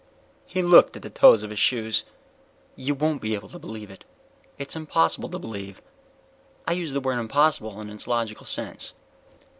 _He looked at the toes of his shoes. "You won't be able to believe it. It's impossible to believe. I use the word impossible in its logical sense.